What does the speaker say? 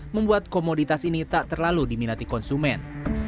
membuat komoditas ini tak terlalu diminati konsumen